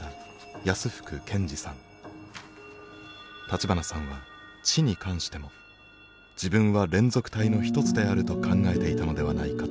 立花さんは知に関しても自分は連続体の一つであると考えていたのではないかと指摘しました。